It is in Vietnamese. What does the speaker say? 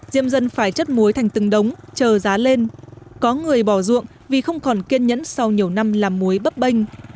diêm dân phải chất muối thành từng đống chờ giá lên có người bỏ ruộng vì không còn kiên nhẫn sau nhiều năm làm muối bấp bênh